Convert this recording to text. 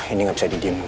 ini gak bisa didiamin